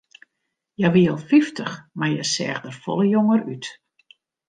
Hja wie al fyftich, mar hja seach der folle jonger út.